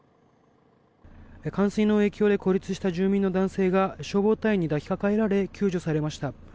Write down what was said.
冠水の影響で孤立した住民の男性が消防隊員に抱きかかえられ救助されました。